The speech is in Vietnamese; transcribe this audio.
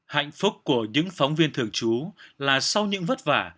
hạnh phúc của những phóng viên thường trú là sau những vất vả